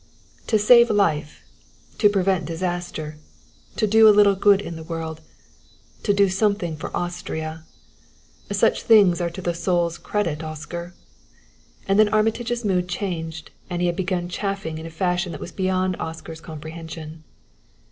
"To save life; to prevent disaster; to do a little good in the world to do something for Austria such things are to the soul's credit, Oscar," and then Armitage's mood changed and he had begun chaffing in a fashion that was beyond Oscar's comprehension.